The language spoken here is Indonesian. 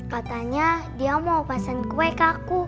katanya dia mau pesen kue ke aku